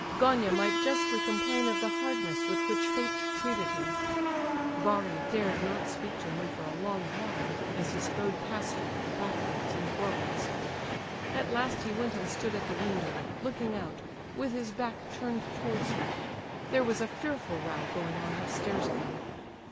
Gania might justly complain of the hardness with which fate treated him. Varia dared not speak to him for a long while, as he strode past her, backwards and forwards. At last he went and stood at the window, looking out, with his back turned towards her. There was a fearful row going on upstairs again.